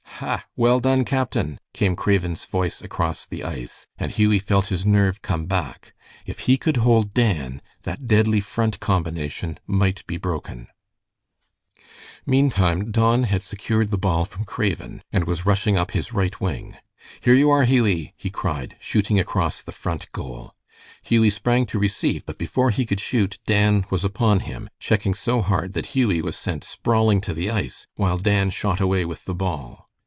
"Ha! well done, captain!" came Craven's voice across the ice, and Hughie felt his nerve come back. If he could hold Dan, that deadly Front combination might be broken. Meantime Don had secured the ball from Craven, and was rushing up his right wing. "Here you are, Hughie," he cried, shooting across the Front goal. Hughie sprang to receive, but before he could shoot Dan was upon him, checking so hard that Hughie was sent sprawling to the ice, while Dan shot away with the ball.